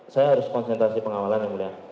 saya harus konsentrasi pengawalan yang mulia